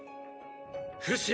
フシ！！